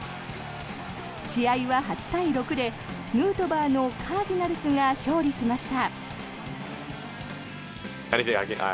試合は８対６でヌートバーのカージナルスが勝利しました。